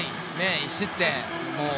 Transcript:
１失点。